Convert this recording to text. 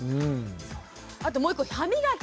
あともう１個歯磨き。